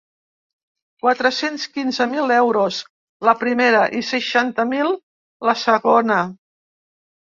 Quatre-cents quinze mil euros, la primera, i seixanta mil, la segona.